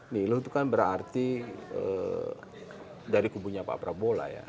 niluh itu kan berarti dari kubunya pak prabowo lah ya